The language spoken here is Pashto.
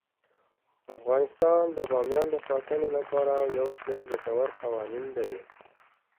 افغانستان د بامیان د ساتنې لپاره یو شمیر ګټور قوانین لري.